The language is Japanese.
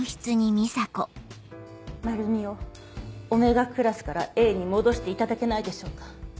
まるみをΩクラスからＡに戻していただけないでしょうか。